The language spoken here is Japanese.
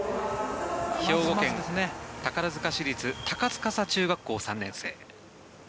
兵庫県宝塚市立高司中学校３年生。